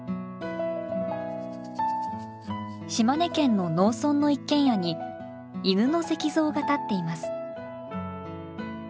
島根県の農村の一軒家に犬の石像が建っています。